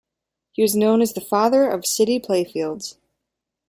He was known as the "Father of City Playfields".